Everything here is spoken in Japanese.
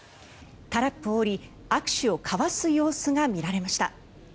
タラップを下り握手を交わす様子が見られました。